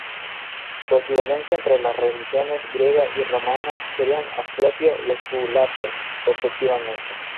Su equivalencia en las religiones griega y romana serían Asclepio y Esculapio respectivamente.